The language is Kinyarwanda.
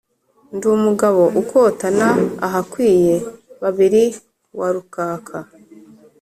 ndi umugabo ukotana ahakwiye babiri wa rukaaka